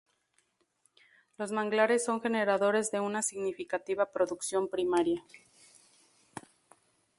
Los manglares son generadores de una significativa producción primaria.